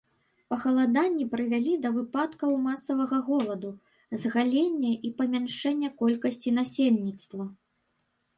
Пахаладанні прывялі да выпадкаў масавага голаду, згалення і памяншэння колькасці насельніцтва.